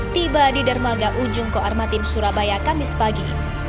tiba di dermaga ujung koarmatim surabaya kamis pagi